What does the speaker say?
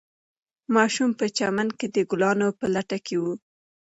ماشوم په چمن کې د ګلانو په لټه کې و.